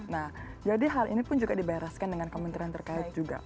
nah jadi hal ini pun juga dibereskan dengan kementerian terkait juga